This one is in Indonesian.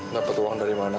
dapet uang dari mana